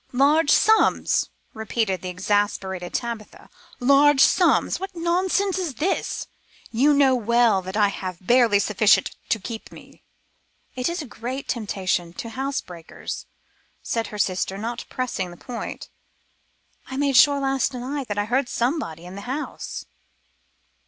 "Large sums!" repeated the exasperated Tabitha, "large sums! what nonsense is this? You know well that I have barely sufficient to keep me." "It's a great temptation to housebreakers," said her sister, not pressing the point. "I made sure last night that I heard somebody in the house."